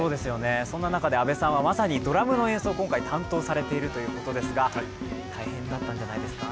そんな中で、阿部さんはまさにドラムの演奏を今回担当されたということで大変だったんじゃないですか？